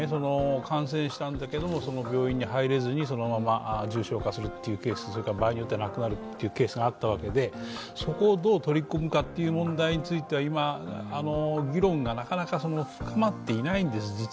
感染したんだけども、病院に入れずにそのまま重症化するというケース、それから場合によっては亡くなるケースがあったわけでそこをどう取り組むかという問題については今、議論がなかなか深まっていないんです。